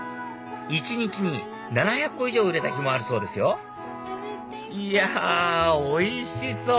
一日に７００個以上売れた日もあるそうですよいやおいしそう！